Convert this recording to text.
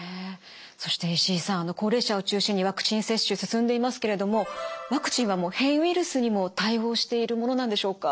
そして石井さん高齢者を中心にワクチン接種進んでいますけれどもワクチンはもう変異ウイルスにも対応しているものなんでしょうか？